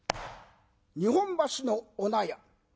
日本橋のお納屋。